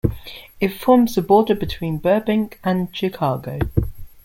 It forms the border between Burbank and Chicago.